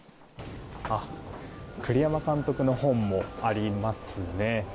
栗山監督の本もありますね。